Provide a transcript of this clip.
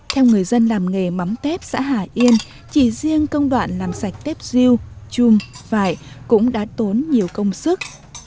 theo người dân làm nghề mắm tép xã hải yên chỉ riêng công đoạn làm sạch tép diêu chung vải cũng đã tốn nhiều công sức